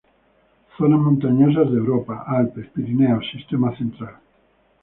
Zonas montañosas de Europa, Alpes, Pirineos, Sistema Central.